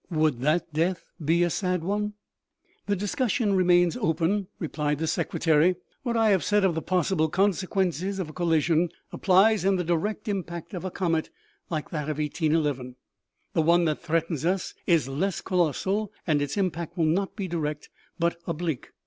Would that death be a sad one ?"" The discussion remains open," replied the secretary. " What I have said of the possible consequences of a col lision applies to the direct impact of a comet like that of 1811 ; the one that threatens us is less colossal, and its impact will not be direct, but oblique.